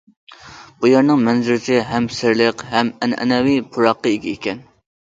بۇ يەرنىڭ مەنزىرىسى ھەم سىرلىق ھەم ئەنئەنىۋى پۇراققا ئىگە ئىكەن.